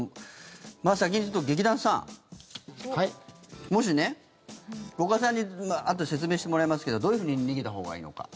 先に、ちょっと劇団さんもしね、五箇さんにあとで説明してもらいますけどどういうふうに逃げたほうがいいのか。